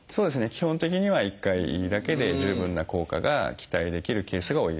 基本的には１回だけで十分な効果が期待できるケースが多いです。